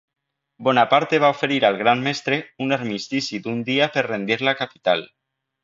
Bonaparte va oferir al Gran Mestre un armistici d'un dia per rendir la capital.